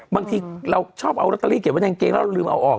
บางทีเราชอบเอาลอตเตอรี่เก็บไว้ในกางเกงแล้วเราลืมเอาออก